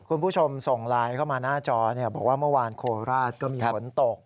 คุณผู้ชมส่งไลน์เข้ามาหน้าจอบอกว่าเมื่อวานโคราชก็มีฝนตก